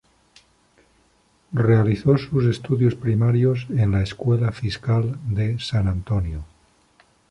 Realizó sus estudios primarios en la Escuela Fiscal de San Antonio.